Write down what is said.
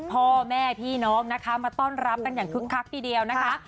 พ่อแม่พี่น้องนะคะมาต้อนรับกันอย่างคึกคักทีเดียวนะคะ